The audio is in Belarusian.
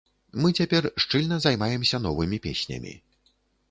Мы цяпер шчыльна займаемся новымі песнямі.